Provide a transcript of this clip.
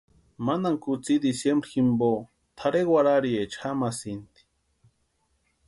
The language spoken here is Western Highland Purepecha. Mantani kutsï diciembre jimpo tʼarhe warhariecha jamasïnti.